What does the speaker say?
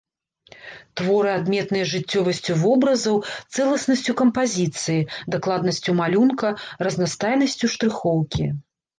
Творы адметныя жыццёвасцю вобразаў, цэласнасцю кампазіцыі, дакладнасцю малюнка, разнастайнасцю штрыхоўкі.